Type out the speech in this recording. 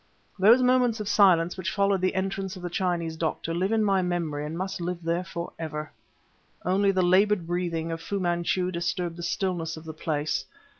Those moments of silence which followed the entrance of the Chinese Doctor live in my memory and must live there for ever. Only the labored breathing of Fu Manchu disturbed the stillness of the place.